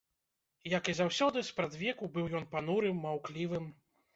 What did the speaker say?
Як і заўсёды, спрадвеку, быў ён панурым, маўклівым.